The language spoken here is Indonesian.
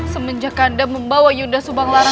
semenjak ganda membawa yunda sebanglar